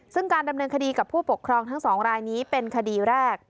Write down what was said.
ซึ่งการดำเนินคดีกับผู้ปกครองทั้งสองรายนี้เป็นคดีแรก